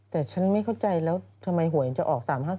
แต่ฉันไม่เข้าใจแล้วทำไมหวยจะออก๓๕๐